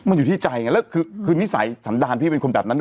มันอยู่ที่ใจไงแล้วคือนิสัยสันดารพี่เป็นคนแบบนั้นด้วย